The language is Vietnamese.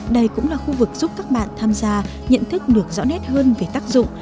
đây cũng là khu vực giúp các bạn tham gia nhận thức được rõ nét hơn về tác dụng